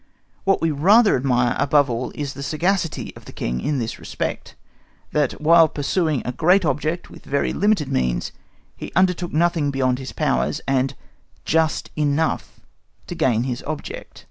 What we rather admire above all is the sagacity of the King in this respect, that while pursuing a great object with very limited means, he undertook nothing beyond his powers, and just enough to gain his object.